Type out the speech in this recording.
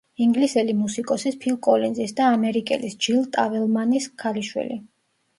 ინგლისელი მუსიკოსის, ფილ კოლინზის და ამერიკელის, ჯილ ტაველმანის ქალიშვილი.